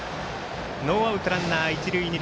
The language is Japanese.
ノーアウト、ランナー、一塁二塁。